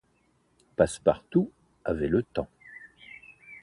Passepartout avait le temps.